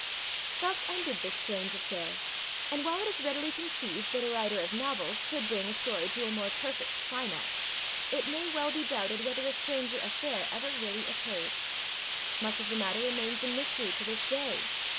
Thus ended this strange affair and while it is readily conceived that a writer of novels could bring a story to a more perfect climax, it may well be doubted whether a stranger affair ever really occurred. Much of the matter remains in mystery to this day.